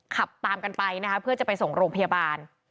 ขับตามกันไปนะคะเพื่อจะไปส่งโรงพยาบาล